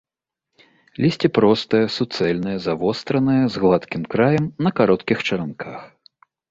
Лісце простае, суцэльнае, завостранае, з гладкім краем, на кароткіх чаранках.